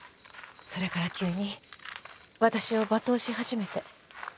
それから急に私を罵倒し始めて。